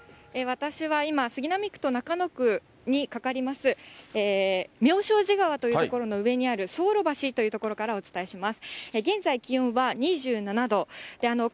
私は今、杉並区と中野区にかかります、妙正寺川という所の上にある双鷺橋というお伝えします。